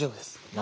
何？